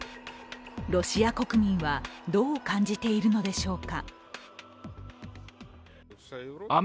ロシア国民はどう感じているのでしょうか。